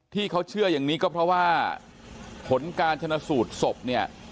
ที่เขาเชื่ออย่างนี้ก็เพราะว่าผลการชนะสูตรศพเนี่ย